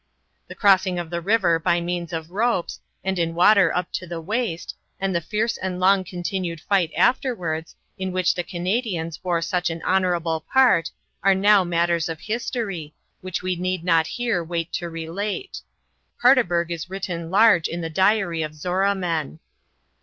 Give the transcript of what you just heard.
The crossing of the river by means of ropes, and in water up to the waist, and the fierce and long continued fight afterwards, in which the Canadians bore such an honorable part, are now matters of history, which we need not here wait to relate. Paardeberg is written large in the diary of Zorra men.